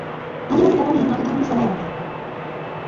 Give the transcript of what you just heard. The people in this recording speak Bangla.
আজেবাজে ব্যাপার নিয়ে মাথা ঘামোনর সময় আমার নেই।